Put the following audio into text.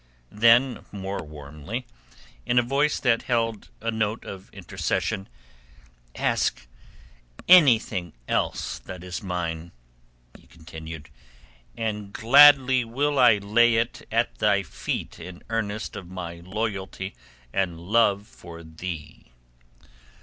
Then more warmly, in a voice that held a note of intercession—"Ask anything else that is mine," he continued, "and gladly will I lay it at thy feet in earnest of my loyalty and love for thee."